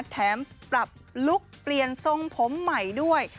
แถมปรับลุคเปลี่ยนทรงผมใหม่ด้วย